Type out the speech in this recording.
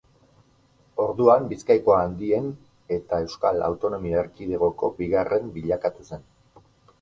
Orduan Bizkaiko handien eta Euskal Autonomia Erkidegoko bigarren bilakatu zen.